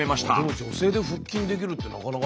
女性で腹筋できるってなかなかね。